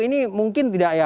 ini mungkin tidak ya